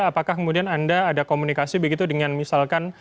apakah kemudian anda ada komunikasi begitu dengan misalkan